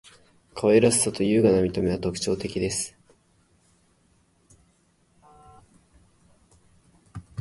可愛らしさと優雅な見た目は特徴的です．